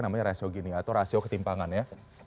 namanya rasio gini atau rasio ketimpangan ya